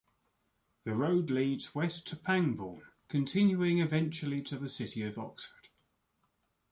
The road leads west to Pangbourne, continuing eventually to the city of Oxford.